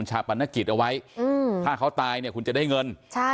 ชาพนักศพเอาไว้ถ้าเขาตายคุณจะได้เงิน